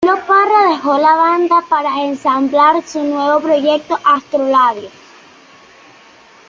Camilo Parra dejó la banda para ensamblar su nuevo proyecto Astrolabio.